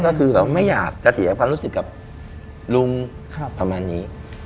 ก็คือแบบไม่อยากจะเสียความรู้สึกกับลุงประมาณนี้